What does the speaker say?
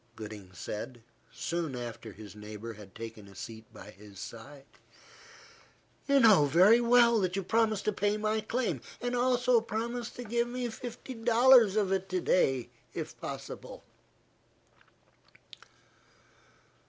Gooding said, soon after his neighbour had taken a seat by his side. "You know very well that you promised to pay my claim; and also promised to give me fifty dollars of it to day, if possible."